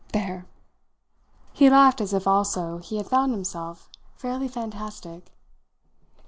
There!" He laughed as if, also, he had found himself fairly fantastic.